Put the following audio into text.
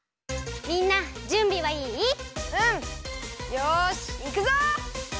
よしいくぞ！